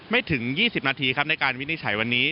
ไม่ถึง๒๐นาทีครับในการวินิจฉัยวันนี้